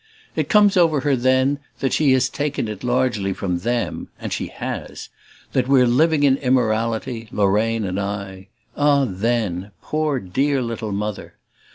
It comes over her that she has taken it largely from THEM (and she HAS) that we're living in immorality, Lorraine and I: ah THEN, poor dear little Mother